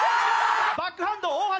バックハンド大橋。